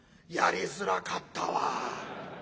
やりづらかったわ。